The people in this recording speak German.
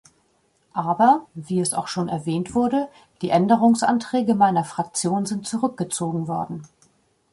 Aber, wie es auch schon erwähnt wurde, die Änderungsanträge meiner Fraktion sind zurückgezogen worden.